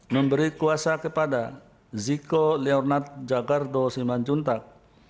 memberi kuasa kepada ziko leonat jagardo simanjuntak